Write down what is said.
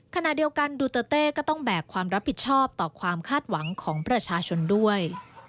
ขณะเดียวกันดูเตอร์เต้ก็ต้องแบกความรับผิดชอบต่อความคาดหวังของประชาชนด้วย